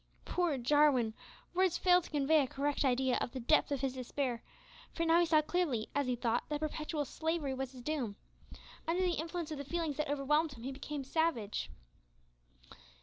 Poor Jarwin! words fail to convey a correct idea of the depth of his despair, for now he saw clearly, as he thought, that perpetual slavery was his doom. Under the influence of the feelings that overwhelmed him he became savage.